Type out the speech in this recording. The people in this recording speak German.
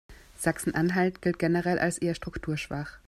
Sachsen-Anhalt gilt generell als eher strukturschwach.